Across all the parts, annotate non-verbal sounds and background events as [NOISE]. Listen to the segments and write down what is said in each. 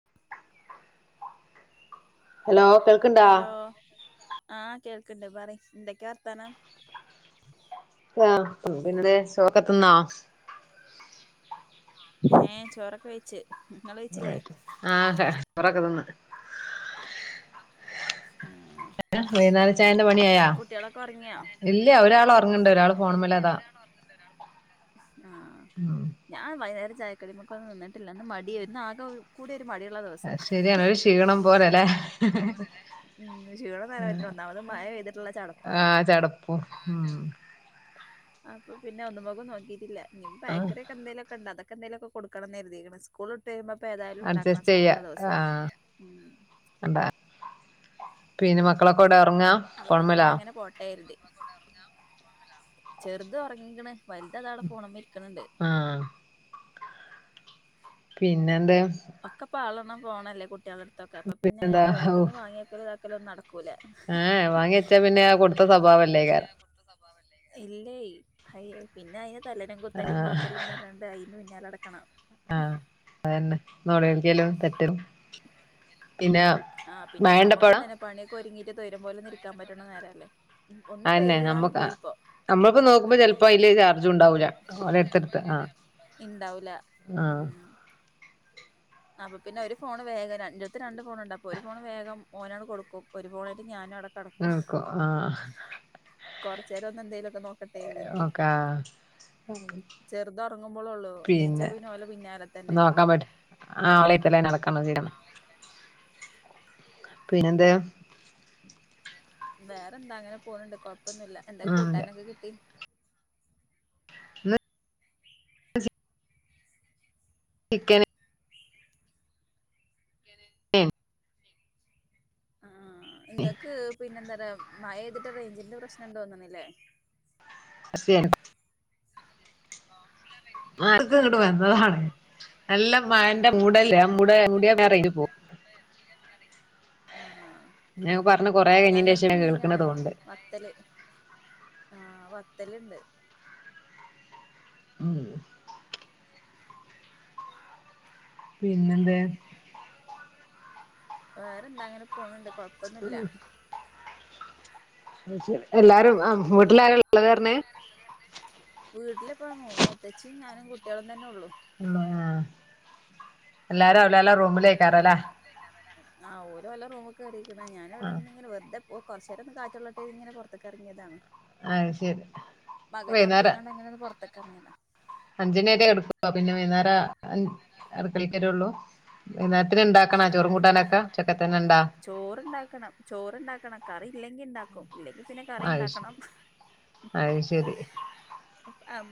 [UNINTELLIGIBLE] Hello കേൾക്കണ്ടാ hello ആഹ് കേൾക്ക്ണ്ട് പറി എന്തൊക്കെയ വർത്തമാനം ആഹ പിന്നെ സോറ്ഒക്കെത്തിന്നോ ഏ ചോറൊക്കെ വെയ്ച്ച് ഇങ്ങള് വെയ്ച്ചില്ലേ ആ ആ ഒറക്കെ തീന്ന് [UNINTELLIGIBLE] ആഹ് വൈകുന്നേര ചായന്റെ പണിയായാ കുട്ട്യാളൊക്കെ ഒറങ്ങിയോ ഇല്ല ഒരാൾ ഉറങ്ങിണ്ട് ഒരാൾ ഫോണമെൽ അതാ ആഹ് ഉം ഞാൻ വൈന്നേരം ചായക്കഴിയുമ്പൊക്കെന്ന് നിന്നിട്ടില്ല ഇന്ന് മടി വന്ന് ആകെ കൂടി. ഒരു മടിയുള്ള അ ദിവസം ശരിയാണ് ഒരു ക്ഷീണം പോലല്ലെ. മ് ക്ഷീണൊന്നലാ ഇത് ഒന്നാമത് മഴ പെയ്തിട്ടുള്ള ചടപ്പാണ്. മ്. അപ്പൊ പിന്നെ ഒന്നുമക്കും നോക്കിട്ടില്ല ആഹ് ബേക്കറിയൊകെന്തേലൊക്കെണ്ടാനെ. എന്തങ്കിലൊക്ക കൊടുക്കണം എന്ന് ക രുതിക് ണ് സ് കൂൾ ഇട്ടരു മ്പം ഇപ്പൊ ഏതായാലും ഉണ്ടാക്കണം അഡ്ജസ്റ്റ് ചെയ്യാ സ്കൂളില ദിവസം ആഹ് എന്താ പിന്നെ മക്കളൊക്കെ എഒ ടെ അപ്പൊ പിന്നെ ന്ന അങ്ങനെ പോട്ടെ ര്തി ചെറുത് ഒറങ്ങിക്ക്ണ് വൽതതാവടെ ഫോണ് മ്മെര്ക്ക്ണ് ണ്ട് ആഹ് പിന്നെ എന്താ ഒക്കെ പാളൊണ്ണം ഫോണല്ലേ കുട്ടികള അടുത്തൊക്കെ അപ്പൊ പിന്നെ പിന്നെന്താ ഓോരുത്ത നിന്ന് വാങ്ങിയാക്കക്കല ഇതാക്കല നടക്കും ആഹ വാങ്ങ വെച്ചാ പിന്നെ കൊടുത്ത സ്വഭാവല്ലേ കാരം ഇല്ലേ അയ പിന്നെ അയിന് തലലും കുത്തലും മാന്തലുംന്ന് പറഞ്ഞണ്ട് അന് പിന്നാല ആഹ അതന്നെ നോള ളിക്കാലും തെറ്റലും പിന്നെ ആഹ് പിന്നെപ്പൊ നമുക്ക്ു മഴണ്ടപ്പവ്ടെ തന്നെ പണിയൊക്കെ ഒരുങ്ങിട്ട് തരം പോലെ നിൽക്കാൻ പറ്റണം നേരല്ലേ അയെന്നെ ഒന്നിപെയ്തകാണ്ട് നമ്മക്ക് പോയിപ്പം നമ്മളിപ്പോ നോക്കുമ്പോ ചെല പ്പോ അതില് ചാർജ് ഉണ്ടാവൂലഓരെ ടുത്തെടുത്ത് ആ ഇണ്ടാവൂല ഉം അപ്പൊ പിന്നെ ഒരു ഫോണ് വേഗം ണ്ടടുത്ത് രണ്ട് ഫോണുണ്ട് അപ്പൊ ഒരു ഫോൺ വേഗം ഓനാണ് കൊടുക്കും ഒരു ഫോണായിട്ട് ഞാനുംടക്ക ആക്ക ആഹ കുറ ചേരം ഒ എന്തലുമക്ക നോ ഒ കാ ചെറുതറങ്ങുമ്പോള ള്ളു നീച്ചാ പിന്നെ ഓ ലെ പിന്നാലെ തന്നെല്ലേ നോക്കാൻ പറ്റ [UNINTELLIGIBLE] പിന്നെ എന്ത വേറെ എന്താ അങ്ങനെ പോണണ്ട് കൊഴപ്പൊന്നുമല്ല എന്തൊെ ഉം കൂട്ടാനൊക്കെ കിട്ടി ഇന്ന് ചിക്കന [UNINTELLIGIBLE] അ നിങ്ങൾക്ക് പിന്നെ എന്താ പറയാ മഴ ചെയ്തിട്ട റേഞ്ചിന്റെ പ്രശ്നംുണ്ടോന്നന്നില്ലേ അസ ആക്ക് ഇങ്ങോട്ട് വന്നതാാണ് നല്ല മ യ ആ ന്റെ മൂടല്ലേ ആ മട മുടിയ റൈഞ്ച പോവും ആ ഞൻ പറഞ്ഞു കൊറേ കഞ്ഞിന്റെ ശേഷം ഞാൻ കേൾക്കണത തോണ്ട് ആഹ ത്തലുണ്ട് ഉം പിന്നെന്ത വേറെ എന്താ അങ്ങനെ പോണണ്ട് കൊഴപ്പൊന്നുല്ല ന്നാ ആ വീട്ട്ല് ആരാ ഉള്ളത് പറഞ്ഞെ വീട്ടിലിപ്പ മൂത്തച്ചിയും ഞാനും കുട്ടികളും തന്നെ ഒള്ളൂ ഉം എല്ലാരും അ ഓല് ഓലെ റൂമിക്ക് കേറിക്ക്ണ് ഞാൻ ആ ഇവ്ടെ നിന്നിങ്ങനെ വെറുദേ ഓ കൊറച്ച് നേരം ഒന്ന് കാറ്റ്ള്ളട്ടെ ര്തി ഇങ്ങനെ പൊറത്തക്ക് ഇറങ്ങിയതാണ് അയ് ശെരി വൈന്നേരാ ക്കറങ്ങിയതാ അഞ്ചിനേവരെ എടുക്കൊള്ളൊ പിന്നെ വൈന്നേര അടുക്കളക്ക് വരുവൊള്ളൂ വൈന്നേ ചോറ്ണ്ടാക്കണം ചോറ്ണ്ടാക്കണം കറി ഇല്ലങ്കി ണ്ടാക്കും ഇല്ലങ്കി പിന്നെ കറി അത് ശരി ഇണ്ടാക്കണം അത് ശരി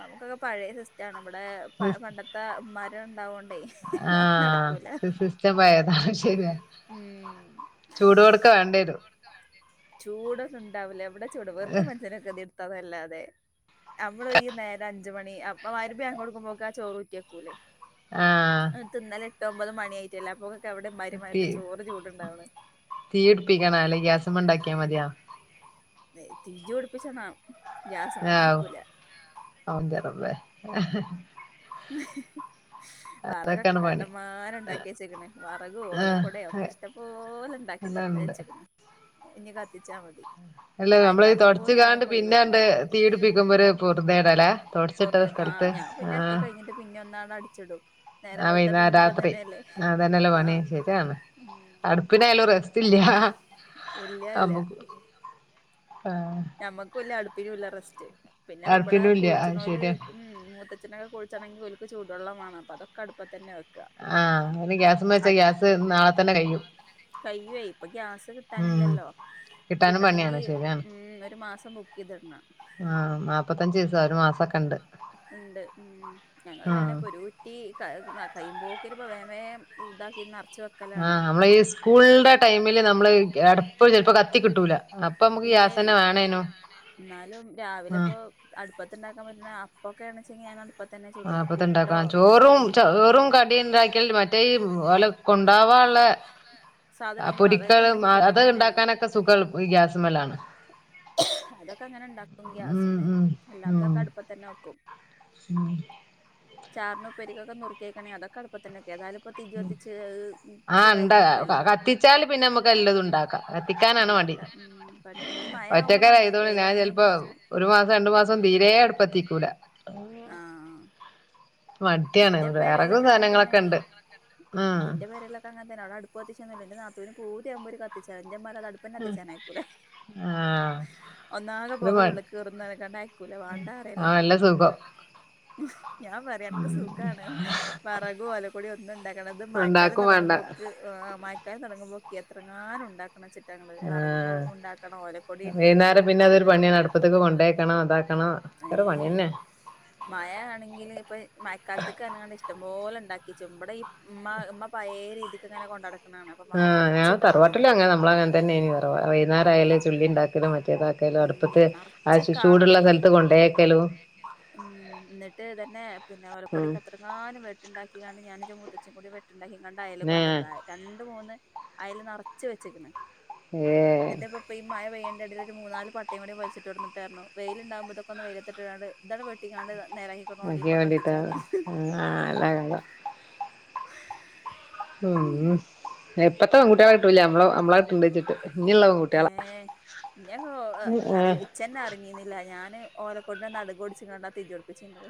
നമുക്കൊക്കെ പഴയ സിസ്റ്റണ് നമ്മടെ പ പണ്ടത്തെ ഉമ്മാര് ഉണ്ടാവോണ്ടേ അതും നടക്കൂല അയ് ശെരിയാ ഉം ചൂടൊട്ക്ക് വേണ്ട വരും ചൂടൊന്നും ണ്ടാവ് ല എവിടെ ചൂട് വെറുതെ മനുഷനൊ ഗതികേടുത്താന്നല്ലാതെ നമ്മള് ഈ നേര അഞ്ച് മണി അപ്പ മാരിബ് ബാങ്ക് കൊടുക്കുമ്പക്കെ ആ ചോറ് ഊറ്റിയക്കൂലെ ആ തിന്നല് എട്ട് ഒമ്പത് മണിയായിട്ടല്ലെ അപ്പൊക്ക് എവിടെ തീ ഇമ്മാരിമഴത്ത് ചോറ് ചൂടുണ്ടാവ തീ പിടിപ്പിക്കണം അല്ലെ ഗ്യാസുമേ ണ്ടാക്കിയാ മതിയാന്നു തിജ് പടിപ്പിച്ചണം ആ അവന്റെ തള്ളെ വറകൊക്കെ അതൊക്കെയാണ് പണി കണ്ടമാനം ണ്ടാക്കി വച്ചിക്കിണ് വറകും ആ ഓലക്കുടോ ഒക്കെ ഇഷ്ട്ടം പോലെ ണ്ടാക്കി അല്ലാണ്ട് വെച്ചക്ക്ണ് ഇനി കത്തിച്ചാ മതി അല്ല നമ്മള് മഴക്കാലത്തും കൂടി തൊടച്ച്കാണ്ട് ഞങ്ങൾക്ക് ഒഴിവ് വരില്ല പിന്നെണ്ട് തീ പിടിപ്പിക്കുമ്പ ഒര് പൊറുതിയെടല്ലേ തൊടച്ചിട്ട പൊറുതി ആ സ്ഥലത്ത് തെ ഞാൻ ആ പിന്നെ ആ ഒക്കെ കഴിഞ്ഞിട്ട് പിന്നെ ഒന്നാണ്ട് അടിച്ചിടും ആ നേരം വെളുത്താ വൈന്നേരം പിന്നിപ്പ രാത്രി തന്നെയല്ലേ ആതന്നല്ലെ ആ പണി ശെരിയാണ് ഉം അടുപ്പിനായാലും റസ്റ്റില്ല ഇല്ലല്ല ആഹ് ഞമ്മക്കും ഇല്ല അടുപ്പിനുല്ല റസ്റ്റ് പിന്നെ ഇപ്പ ഇബ്ടെ അടുപ്പിനും ഇല്ല അത് കുളിച്ച്ണോല് ശരിയാ ഉം മൂത്തച്ഛനൊക്കെ കുളിച്ചണെങ്കിൽ ഓല്ക്ക് ചൂട് ടു വള്ളം വാണം അപ്പ അതൊക്കെ അടുപ്പത്തന്നെ വെ ആ അത് ഗ്യാസ്മ്മേ വെച്ചാ ഗ്യാസ് നാളെ തന്നെ കയ്യും കയ്യുവേ ഇപ്പ ഗ്യാസ് കിട്ടാനില്ലല്ലോ കിട്ടാനും കിട്ടണങ്കി പണിയാണ് ശരിയാണ് ഉം ഒരു മാസം ബുക്ക് ചെയ്തിടണം ദ് ഒരു മാസൊക്കെണ്ട് ഉണ്ട് ഉം ഞങ്ങള് തന്നെ ആഹ് പ്പൊരുറ്റി കയ്യ്യുമ്പോക്ക്ന് പ്പംവ വേം വേം ഇദാക്കി നർ ആ നമ്മള് ഈ സ്കൂളുടെ ടൈമില് നമ്മള് അടപ്പ് ചെലപ്പോ കത്തി കിട്ടൂല അപ്പൊ നമക്ക് ഗ്യാ സന്നെ വേണെനും ന്നാലും രാവിലെപ്പൊ അട്പ്പത്ത്ണ്ടാക്കാൻ പറ്റ്ണ അപ്പൊക്കെണെച്ചെങ്കി ഞാനഅടുപ്പ ആ അപ്പത്തെണ്ടാക്കാം ചോറും ചോറും കടിണ്ടാക്കിയൽ മറ്റേ ഈ ഓല കൊണ്ടാവാ ളെ ആ സാധനങ്ങൾ അതൊക്കെ പൊരിക്കലും ഉണ്ടാക്കി കിട്ടാൻ അത് തന്നെയാണ് ഇണ്ടാക്കാനൊക്കെ സുഖം എൾ ഈ ഗ്യാസ്മ്മലാണ് അതൊക്കെ അങ്ങനെണ്ടാക്കും ഉം ഗ്യാസ്മ്മെ ഉം അല്ലാത്തൊക്കെ അടുപ്പത്തന്നെ വെ ഉം ചാറിന് ഉപ്പരിക്കൊക്കെ നുറ്ക്കീക്കണേ അതൊക്കെ അടുപ്പത്തന്നെക്ക ഏതായാലും ഇപ്പൊ തിജ് കത്തിച്ച് ആ ചൂടായി ണ്ട് കിടക്കുവല്ലേ ക കത്തിച്ചാല് പിന്നെ മ്മക്ക് എല്ലതും ഉണ്ടാക്കാ കത്തിക്കാനാണ് പണി പണി ഈമഴ ആവുമ്പളാണ് ഞാൻ വെയിലാണെങ്കിന്നെ ചെലപ്പോ പ്രശ്ന ക്കൂല ന്റെ പേരലൊക്കെ അങ്ങനെ തന്നെണെ ഇണ്ട് ആഹ് ന്റെ പേരലൊക്കെ അങ്ങനെ തന്നെ ആണെ അവ്ടെ അടുപ്പ് കത്തിച്ചുനില്ല എന്റെ നാത്തൂനും പൂരിയാവുമ്പോ കത്തിച്ചാല ന്റമ്മ അടുപ്പന്ന കത്തിച്ചായിക്കൂല ആഹ് ഒന്നാകെ ഒരു പോക മ ഉള്ളിൽ കയറുന്നനക്കണ്ടപറഞ്ഞുഅയക്കൂല വേണ്ടാ ആഹ് പറയിലാണ് നല്ല സുഖം ഞാൻ പറയാൻ സുഖമാണ് വറകും അലക്കൊടിയ ഒന്നും ഉണ്ടാക്കണം അത് മായക്കാലം ഉണ്ടാക്കും വേണ്ട തുടങ്ങുമ്പോൾക്ക് മായക്കാലം തുടങ്ങുമ്പോ എത്രകാലം ഉണ്ടാക്കണച് വറക്കും ആഹ് ഉണ്ടാക്കണം ഓലക്കൊടി ഉണ്ടാക്കണം വൈകുന്നേരം പിന്നെ അതൊരു വൈകുന്നേരം പിന്നെ ഒരു പണി നടകുല ഇറപണിന്നെ മഴ ആണെങ്കിൽ ഇപ്പൊ മയക്കാലത്തക്ക ഇഷ്ടംപലെ ഉണ്ടാക്കി ക്കും മ്മടെ ഈ ഉമ്മ ഉമ്മ പയ രീതിക്ക് ഇങ്ങനെ കൊണ്ടട ആ് ഞ തറവാട്ട്ടിൽ അങ്ങനെ നമ്മള അങ്ങനെ തന്നെ ഇനി ത റിയുന്നേരായാല ആഹ് ചുള്ളി ഉണ്ടാക്കല മറ്റേതാക്ക ലോ ഉം അടുപ്പത്തെ ആ നറച്ച് കാണണം ചൂടുള്ള അയിന് സ്ഥലത്ത് കൊണ്ടേക്കാലോ ഉം എന്നിട്ട് തന്നെ പിന്നെ ഒലക്കൂടി ഉം ഒക്കെ എത്ര കാലം വെട്ടിട്ടുണ്ടാക്കിണ്ട് ഞാനും മൂത്തച്ചികൂടി വെ ട്ടുണ്ടാക്കി ഇ കണ്ട് അയല് പിന്നെ കൊണ്ടക്ക രണ്ട മൂന്ന് അല് നിറച്ച് വെച്ചിക്കണ് ഏഹ് എന്റെ പപ്പ ഈ മായ പയ്യ എട ഒരു മൂന്നാല് പട്ടയും കൂടി വിച്ചി് കൊന്നട്ടായിരുന്നു വെയിലുണ്ടകുമോഴൊക്കെ ഒ വെയിലത്തിട്ടണ്ട് ഇാണ് വെട്ടിക്കാണ്ട നേരഹിക്കട്ടോണ്ട് വേണ്ടീട്ടാള്ള ആ അല്ല വേഗം - [INAUDIBLE] ഇ പെകുട്ടികള കിട്ടില്ല നമ്മള കിട്ട് ണ്ട് വെച്ചട്ട് ഇന്നെയുള്ളള്ളവൺകുട്ടികളെ ഞ ഇച്ഛനെ അറിഞ്ഞീന്നില്ല ഞാന് ഓലക്കോട്ട നടുകോടിച്ച് കണ്ടാ തതിജോടു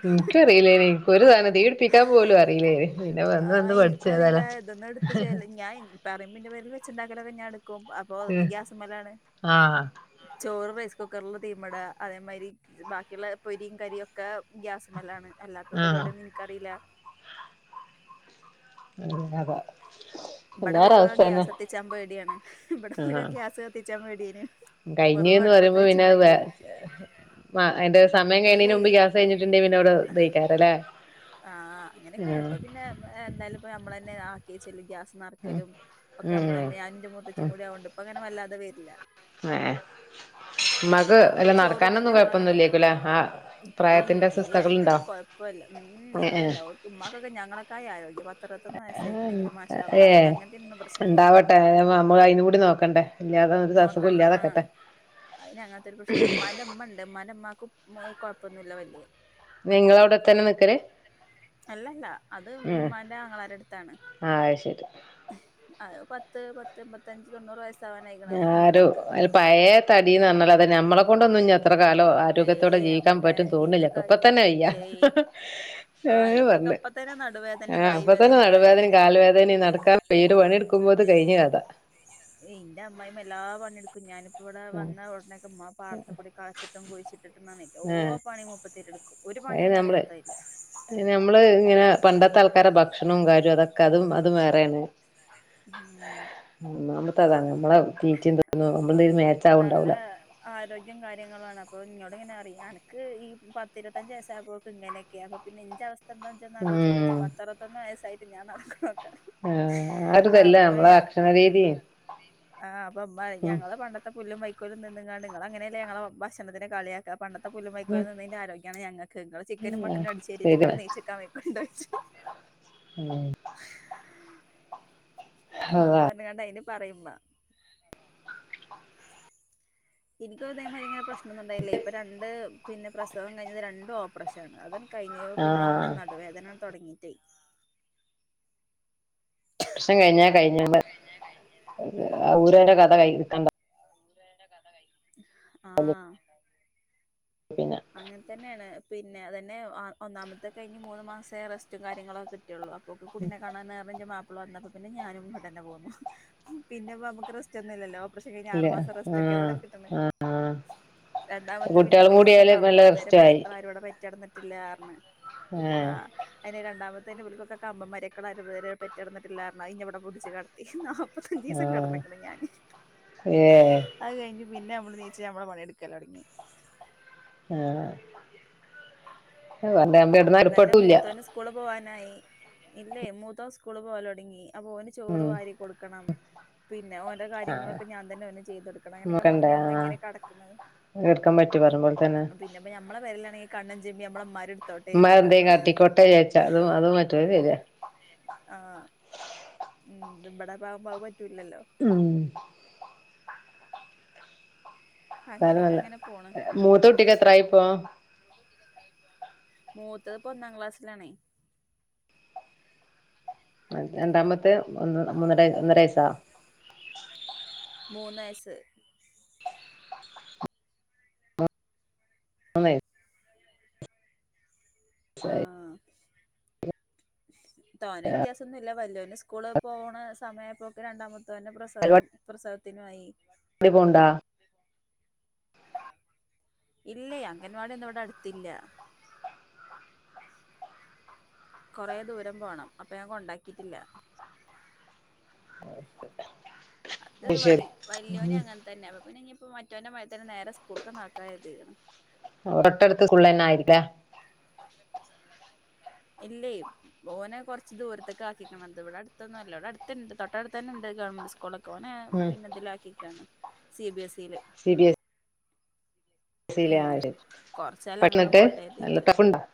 എനിക്കറിയില്ലന എനിക്ക ഒരു സധനം തീടിപ്പിക്കാൻ പോലും അറിയില്ലേന പിന്നെ വന്ന് വന്ന് പഠിച്ച ഏതല അതൊന്നും എടുത്ത് ചെയ ഞാൻ പറ്പിന്റെ പേരിൽ വെച്ചുണ്ടാക്കല ക എടുക്കും അപ്പൊ അതൊക്കെ ഗ്യാസ് മലാണ് ആഹ് ചോറ് റൈസ് കുക്കറൽ തീമട അതേമാതിരി ബാക്കിയുള്ള പൊരിയും കരിുമ ഒക്കെ ഗ്യാസ്മെല്ലാണ് അല്ലാത്ത ആഹ് പരിപാടിയൊന്നും എനിക്കറിയില്ല അ അപ്പ ഇബ ടെ ഇബൽ ക്കൊക്കെ ഗ്യാസ് കത്തിക്കാൻ പേടിയാണ് ഇബടെ ഇബൽ കൊക്കെ ഗ്യാസ് കത്തിക്കാൻ പേടിയാണ് കഴിഞ്ഞന്ന് പറയുമ്പോ പിന്നെ അത് മ എന്റെ സമയം കഴിഞ്ഞന് അല്ലേ മുമ്പ് ഗ്യാസ് കഴിഞ്ഞിട്ടിന്റെ പിന്നെ അവിടെ ഉ ദയിക്കാറല്ലേ ആഹ അങ്ങനെയൊക്കെ ഇപ്പ പിന്നെ എന്തായാലും ഇപ്പ നമ്മള തന്നെ ചെ ഗ്യാസ് നിറക്കലും ഒക്കെ നമ്മള് ഉം തന്നെ അനന്റെ മൂത്തച്ച്ചും കൂടി ആവണ്ട് ഇപ്പൊ അങ്ങനെ വല്ലാതെ വരില്ല മഏ എന്നാലും ഇമ്മാക്ക് ഇപ്പ അല്ല നമ്മുക്ക് ചോറും ഇതൊക്കെ നടക്കാനൊന്നും നമ്മള അങ്ങനെ വെക്കും കൊഴപ്പൊന്നുംല്ലേക്കുലേ ആ പ്രായത്തിന്റെ അസ്വസ്ഥകൾഉണ്ടോ ഉ് ഇല്ലർക്ക് ഉക്കെ ഞങ്ങളക്ക ആരോഗ്യം പത്രന്ന്ക്കണെങ്കിലുംമാഷ - ഏ ഉണ്ടാവട്ടെ നമ്മൾ അതി കൂടി നോക്കണ്ടേ ഇല്ലാത ഒരു സ ണ്ട ആ അതിന് അങ്ങനത്തെ ഒരു പ്രശ്നുണ്ട് ഉമ്മ ന്റെ മ്മ ഉണ്ട് ഉമ്മമാക്ക് കോ ഇപ്പൊന്ന ഇല്ല വേ നിങ്ങളവിടെത്തന്നെ നിക്കല് അല്ലല്ല അത് ഉമാന്റെ ആങ്ങളാരു അടുത്താണ് അതുശെരി അത് പത്ത് പത്ത്മ്പത്തഞ്ച് തൊണ്ണൂറ് വയസ്സ് ആര പഴയ തടിന്ന്ഞ്ഞൽ അതെ ഞമ്മളെ കൊണ്ടൊന്നും ഇ അത്ര കാലോ ആരോഗ്യത്തോടെ ഏയ് ജീവിക്കാൻ അവിടെ പറ്റും തോന്നുന്നില്ല ഇൻക്കൊക്കെ ഇപ്പോൾ തന്നെ വയ്യ ഏയ് ആഹ് എനിക്കൊക്കെ ഇപ്പ തന്നെ ആ നടുവേദനയും കായ് അപ്പൊ തന്നെ വേദനയും കാല് നടുവേദനയും വേദനയും കാല പറയും വേദനയും നടക്കാ വീട് പണിയെടുക്കുമ്പോത് കഴിഞ്ഞഞ് കഥാ എന്റെ അമ്മായിമ്മ എല്ലാ പണിയെടുക്കും ഞാനും ഇവിടെ വന്ന ഉടനേക്കെ ഉമാ പാടത്ത കൂടി കളച്ചിട്ടും കുഴിച്ചിട്ടിട്ടും ന ഓ ആഹ് പണി മുപ്പ എും ഒരു പണി അത് അതിന് നമ്മള് അറിയാത്ത ഇല്ല നമ്മള് ഇങ്ങനെ പണ്ടത്തെ ആൾക്കാരടെ ഭക്ഷണവും കാര്യവും അതൊക്കെ അതും അതും വേറെയാണ് ഉം ഉ താ നമ്മളെ തീറ്റ തോന്നുന്നു നമ്മളന്ത നല്ല മേച്ചാവണ്ടാവല ആരോഗ്യം കാര്യങ്ങളാണ് അപ്പൊ ഇനോട് ഇങ്ങനെ അറിയാം എനക്ക് ഈ പത്തിരുപത്തഞ്ച് വയസ്സ ആയമ്പോക്ക് ഇങ്ങനെയൊക്കെയ അ നിന്റെ അവസ്ഥ എന്താ ചെന്നാലോച്ചോച്ച നോക്ക് ഉം പത്തറത്തൊന്ന് വയസ്സായിട്ട് ഞാ നടക്കോ ആ ആരു ഇതല്ല നമ്മളെ ഭക്ഷണരീതി ആ അപ്പൊ അമ്മ ഞങ്ങളെ പണ്ടത്തെ പുല്ലും വൈക്കോലും നിന്നങ്ങാ നിങ്ങ അങ്ങനെയല്ല ഞങ്ങളെ ഭക്ഷണത്തിന കളിയാക്കാം പണ്ടത്തെ പുല്ലും വൈക്കോലിം തിന്നതിന്റെ ആരോഗ്യമാണ് ഞങ്ങൾ നിങ്ങ ചിക്കനും മട്ടനും അടിച്ചുകേറ്റിട്ട് ങ്ങക്ക് ശരിയാണ് നെയ്ച്ചക്കാണ്ടോച്ചു ഉം അന്ന കണ്ട അയിന് പറയ്പ എനിക്ക് അതേമാതിരിയനെ പ്രശ്നം ഒന്നും ഉണ്ടായില്ലേ ഇപ്പൊ രണ്ട് പിന്നെ പ്രസവം കഴിഞ്ഞത് രണ്ടും ഓപ്പറേഷനാണ് അതെ കഴിഞ്ഞ പിന്നെങ്ങോട്ട് ആഹ് നടുവേദന തുടങ്ങി [UNINTELLIGIBLE] വർഷം കഴിഞ്ഞാ കഴിഞ്ഞ രന്റെ കഥ കഴക്കണ്ട ആ പിന്നെ അങ്ങനെ തന്നെയാണ് പിന്നെ പിന്നെ അതന്നെ ഒന്നാമത്തൊക്ക കിഞ് മൂന്ന് മാസമ ടെസ്റ്റും കാര്യങ്ങളൊക്കെ കിട്ടുകയുള്ളു കുട്ടെണാൻ അവ അപ്പോ വന്നപ്പോ പിന്നെ ഞാനും ഇ് തന്നെ പോന്നു പിന്നെമ്മക്ക് ക്രി സ്റ്റ്ന്നല്ലല്ലോ ക്ഷെ കഴിഞ് ഇല്ല ആറുസംറൊക്കെ ആഹ് എവിടെ കിട്ടണ് ആഹ് രണ്ടാമത്തെ പിന്നെ കുട്ടികളും ബക്കൊക്കെ കൂടിയാല് നല്ല അമ്പത് വരെ റിസ്റ്റായി മരക്കൾ ആരോടെ പെറ്റിടന്നിട്ടില്ല കാര ആ ആഹ് അതിന് രണ്ടാമത്തെ അതിൻ്റെള്ളേക്കെ കമ്പം മരക്കടരെ പെറ്റിടിട്ടില്ലായിരുന്നു അ ഇനി ഇവിടെ പിടിച്ച് കിടത്തി എന്നോ ഇപ്പഞ്ച് ദിവസം ആഹ് കടന്നക്ക ഞാന് ഏഹ് അത് കഴിഞ്ഞ് പിന്നെ നമ്മ നീച്ച നമ്മെ പണിയ എടുക്കല്ലോ തുടങ്ങി ആ തന്നെ മൂത്തോന് സ്കൂള് പോവാനായി ഇല്ലേ മൂത്തോൻ സ്കൂള് പോല തുടങ്ങി അപ്പൊ ന് ചോറ് ഉം വാരി കൊടുക്കണം പിന്നെ ഓരോ ആഹ് കാര്യങ്ങളൊക്കെ ഞാൻ തന്നെന്നെ ചെയ്തുടുക്കണം അങ്ങനൊക്കെണുമ്പ നമ്മള എങ്ങനെ കടക്കുന്നത് എക്ക പിന്നെപ്പ ഞമ്മളെ വരലാണെങ്കിൽ കണ്ണൻ ചെമ്പി നമ്മെ മരു മരന്തയും കാട്ടി കൊട്ട ചേച്ച അതും അതും പറ്റുവ തല്ല ആഹ് [UNINTELLIGIBLE] ഉം ഇവിടെ പാൻ പാക പറ്റൂില്ലല്ലോ ഉം അല്ല അങ്ങനെയൊക്കെ നല്ല അങ്ങനെ പോണ് മൂത്ത കുട്ടിക്ക് എത്രായിപ്പോ മൂത്തത്പ്പ ഒന്നാം ക്ലാസ്സിലാണേ രണ്ടാമത്തെ ഒന്ന് മൂന്നര ഒന്നരയസാ മൂന്നയസ് അ ശരി തോന വ്യത്യാസം ഒന്നുമല്ല വല്ന് സ്കൂള് പോണ സമയപ്പോക്കെ രണ്ടാമത്തെ ന്നെ പ്രസവം പ്രസവത്തിനുമായി അടി പോണ്ടാ ഇല്ലേ അംഗൻവാടി ഒന്നും ഇവിടെ അടുത്തില്ല കൊറെ ദൂരം പോണം അപ്പൊ ഞാൻ കൊണ്ടാക്കിട്ടില്ല ഓക്കെ അത് വ വല്യോന അങ്ങനെ തന്നെ പിന്നെ ഇനിയിപ്പോ മറ്റവന്റെ മ തന്നെ നേരെ സ്കൂൾക്കണ്ടാക്കാരുതിക്കണ് ഒട്ടടുത്തസ്ക്കുള്ളന്നെ ആയില്ലേ ഇല്ലേ ഓനെ കുറച്ച് ദൂരത്തൊക്കെ ആക്കിക്കണത് ഇവിടെ അടുത്തൊന്നും അല്ല ഇവിടെ അടുത്തുണ്ട് തൊട്ടടുത്ത് തന്നെ ഉണ്ട് കാ സ്കൂളൊക്കെ നെ ഉം പിന്നെ ഇതില ആക്കിക്കാണ് സി ബി എസ് ഇയില് ഉം [UNINTELLIGIBLE] കൊറച്ചാലം അങ്ങനെയാണ് പട്ടണിട്ട് പോട്ടെ നല്ല കരുതിയിട്ട് [UNINTELLIGIBLE]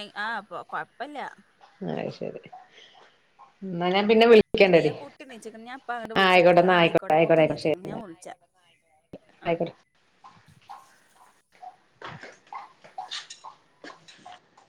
എ ആഹ് പ്പൊ കൊഴ്പ്പല്ല. അയ് ശെരി ഇന്നലെ പിന്നെ ആ കുട്ടി നീച്ച്ക്ണ് ഞാൻ അപ്പാ അങ്ങണ്ട് ആഹ് ആയിക്കോട്ടെ വിളിച്ചിട്ടില്ല, ആ എന്നാ ആയിക്കോട്ടെ അയിക്കോട്ടെ കുട്ടി നീച്ച്ക്ണ് ഞാൻ വിളിച്ച. ആയിക്കോട്ട്. [INAUDIBLE]